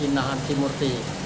ina hanti murti